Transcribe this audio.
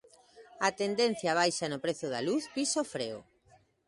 A tendencia á baixa no prezo da luz pisa o freo.